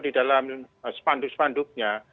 di dalam spanduk spanduknya